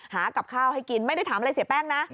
กับข้าวให้กินไม่ได้ถามอะไรเสียแป้งนะ